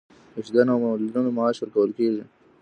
د شهیدانو او معلولینو معاش ورکول کیږي